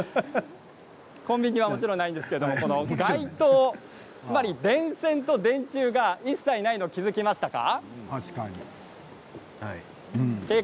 コンビニはもちろんないんですけれども街灯、つまり電線と電柱が一切ないのに気付きましたか。